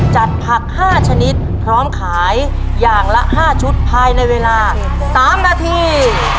จัดผัก๕ชนิดพร้อมขายอย่างละ๕ชุดภายในเวลา๓นาที